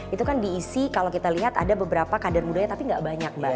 itu kan diisi kalau kita lihat ada beberapa kader mudanya tapi nggak banyak mbak